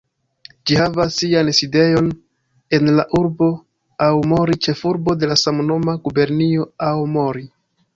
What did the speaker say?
Ĝi havas sian sidejon en la urbo Aomori, ĉefurbo de la samnoma gubernio Aomori.